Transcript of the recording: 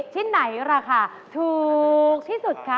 ที่ไหนราคาถูกที่สุดคะ